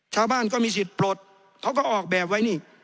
ชาวบ้านก็มีสิทธิ์ปลดเขาก็ออกแบบไว้นี่